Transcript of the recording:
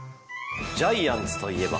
ジャイアンツといえば。